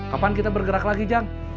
kapan kita bergerak lagi jang